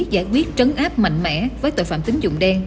giải quyết trấn áp mạnh mẽ với tội phạm tính dụng đen